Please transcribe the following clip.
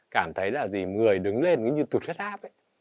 cảm thấy là gì người đứng lên như tụt huyết áp ấy